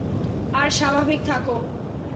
আর স্বাভাবিক থাকো।